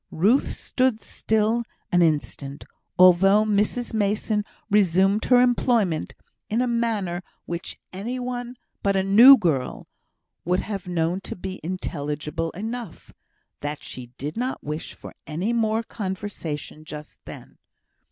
Ruth stood still an instant, although Mrs Mason resumed her employment in a manner which any one but a "new girl" would have known to be intelligible enough, that she did not wish for any more conversation just then.